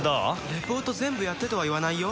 リポート全部やってとは言わないよ